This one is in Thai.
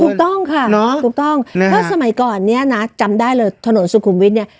ถูกต้องค่ะถูกต้องเพราะสมัยก่อนเนี่ยนะจำได้เลยถนนสุขุมวิทย์เนี่ย